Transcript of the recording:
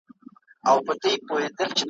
ويل پلاره يوه ډله ماشومان وه ,